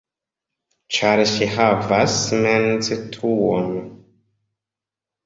Ĉar ŝi havas mens-truon.